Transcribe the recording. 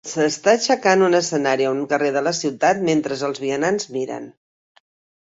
S'està aixecant un escenari a un carrer de la ciutat mentre els vianants miren.